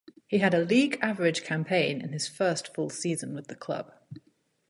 He had a league-average campaign in his first full season with the club.